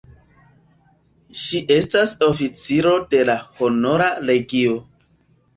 Ŝi estas oficiro de la Honora Legio.